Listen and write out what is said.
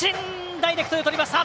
ダイレクトでとりました。